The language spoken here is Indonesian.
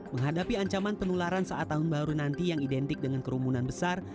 menghadapi ancaman penularan saat tahun baru nanti yang identik dengan kerumunan besar